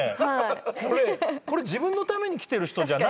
これ自分のために来てる人じゃないと思っちゃう。